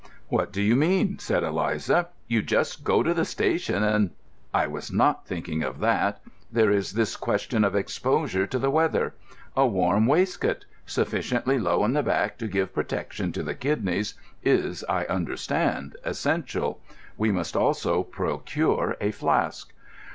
"What do you mean?" said Eliza. "You just go to the station and——" "I was not thinking of that. There is this question of exposure to the weather. A warm waistcoat—sufficiently low at the back to give protection to the kidneys—is, I understand, essential. We must also procure a flask."